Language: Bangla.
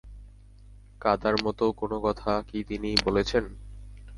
কাঁদার মতো কোনো কথা কি তিনি বলেছেন?